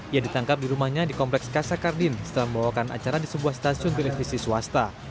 ia ditangkap di rumahnya di kompleks kasa kardin setelah membawakan acara di sebuah stasiun televisi swasta